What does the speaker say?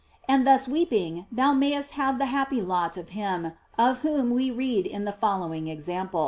And thus weeping, thou mayest have the hap py lot of him of whom we read in the following example.